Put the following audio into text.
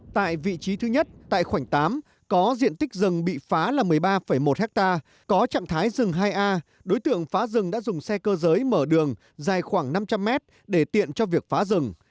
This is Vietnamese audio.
tại vị trí thứ nhất tại khoảnh tám có diện tích rừng bị phá là một mươi ba một ha có trạng thái rừng hai a đối tượng phá rừng đã dùng xe cơ giới mở đường dài khoảng năm trăm linh mét để tiện cho việc phá rừng